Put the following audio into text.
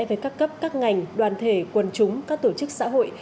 với các cấp các ngành đoàn thể quân chúng các tổ chức xã hội